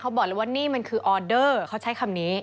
บอกเลยว่านี่มันคือออเดอร์เขาใช้คำนี้